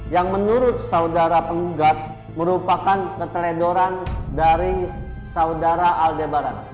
yang menurut saudara penggugat merupakan keteledoran dari saudara aldebaran